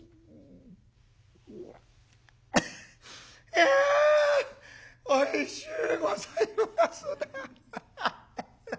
「いやおいしゅうございますな」。